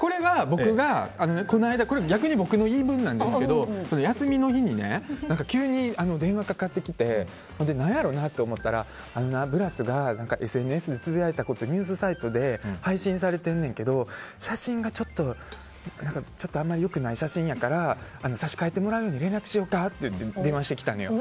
これは逆に僕の言い分なんですけど休みの日に急に電話かかってきて何やろなって思ったらブラスがＳＮＳでつぶやいたことニュースサイトで配信されてんねんけど、写真があんまりよくない写真やから差し替えてもらうように連絡しようかって電話してきたのよ。